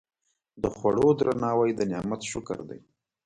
د خوړو درناوی د نعمت شکر دی.